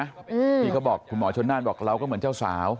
ที่เขาบอกคุณหมอชนน่านบอกเราก็เหมือนเจ้าสาว